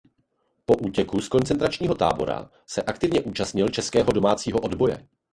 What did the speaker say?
Po útěku z koncentračního tábora se aktivně účastnil českého domácího odboje.